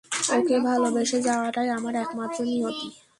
ওকে ভালোবেসে যাওয়াটাই আমার একমাত্র নিয়তি!